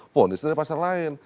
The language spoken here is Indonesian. fonisnya dari pasal lain